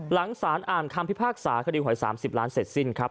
หลังสารอ่านคำพิพากษาคดีหวย๓๐ล้านเสร็จสิ้นครับ